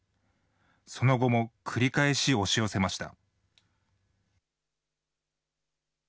その後も繰り返し押し寄せました。